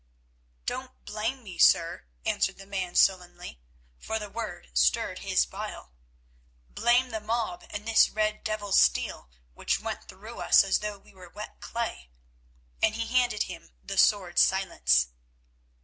"Don't blame me, sir," answered the man sullenly, for the word stirred his bile, "blame the mob and this red devil's steel, which went through us as though we were wet clay," and he handed him the sword Silence.